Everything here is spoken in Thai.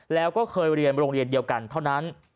แล้วก็เคยเรียนโรงเรียนเดียวกันเท่านั้น